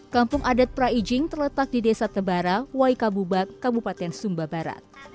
kampung adat praijing terletak di desa tebara waikabubak kabupaten sumba barat